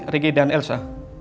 riki dan elsa